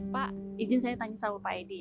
pak izin saya tanya soal pak edi ya